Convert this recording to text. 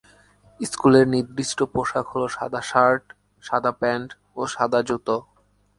স্কুলের নির্দিষ্ট পোশাক হল সাদা শার্ট, সাদা প্যান্ট ও সাদা জুতো।